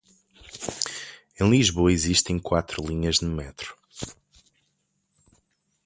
Em Lisboa, existem quatro linhas de metro.